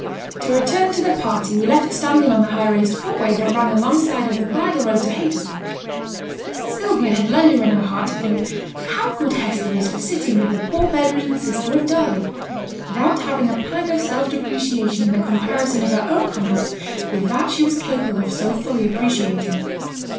To return to the party we left standing on the high raised footway that ran alongside of the bridle road to Haytersbank. Sylvia had leisure in her heart to think 'how good Hester is for sitting with the poor bed ridden sister of Darley!' without having a pang of self depreciation in the comparison of her own conduct with that she was capable of so fully appreciating.